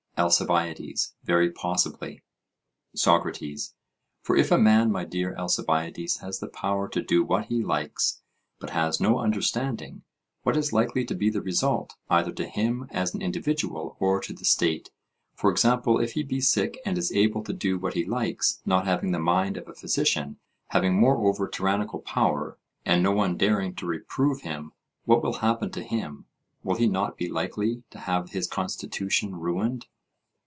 ALCIBIADES: Very possibly. SOCRATES: For if a man, my dear Alcibiades, has the power to do what he likes, but has no understanding, what is likely to be the result, either to him as an individual or to the state for example, if he be sick and is able to do what he likes, not having the mind of a physician having moreover tyrannical power, and no one daring to reprove him, what will happen to him? Will he not be likely to have his constitution ruined?